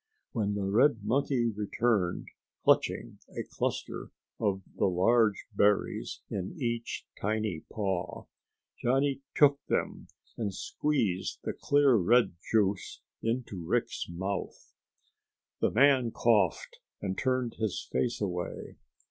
When the red monkey returned, clutching a cluster of the large berries in each tiny paw, Johnny took them and squeezed the clear red juice into Rick's mouth. The man coughed and turned his face away.